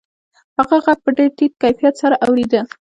هغه غږ په ډېر ټیټ کیفیت سره اورېده